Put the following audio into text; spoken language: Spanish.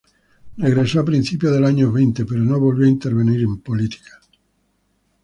Regresó a principios de los años veinte pero no volvió a intervenir en política.